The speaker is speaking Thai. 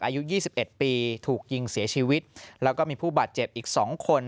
อายุ๒๑ปีถูกยิงเสียชีวิตแล้วก็มีผู้บาดเจ็บอีก๒คน